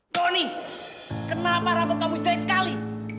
doni kenapa rambut kamu jelek sekali